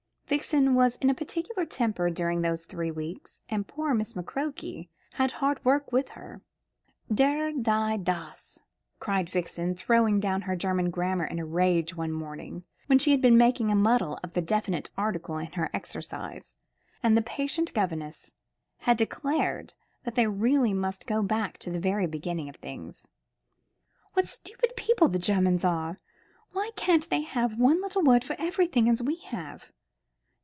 Vixen was in a peculiar temper during those three weeks, and poor Miss McCroke had hard work with her. "Der, die, das," cried Vixen, throwing down her German grammar in a rage one morning, when she had been making a muddle of the definite article in her exercise, and the patient governess had declared that they really must go back to the very beginning of things. "What stupid people the Germans are! Why can't they have one little word for everything, as we have?